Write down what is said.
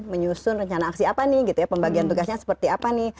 menyusun rencana aksi apa nih gitu ya pembagian tugasnya seperti apa nih